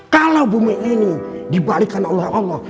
kalau bumi ini dibalikkan oleh allah